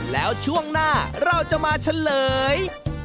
แล้วช่วงหน้าเราจะมาเฉลย